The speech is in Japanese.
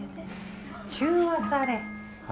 中和され。